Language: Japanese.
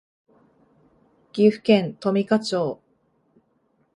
岐阜県富加町